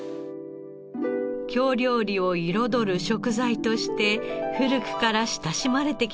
京料理を彩る食材として古くから親しまれてきました。